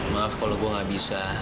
maaf kalau gue gak bisa